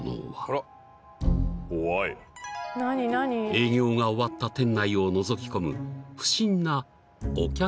［営業が終わった店内をのぞき込む］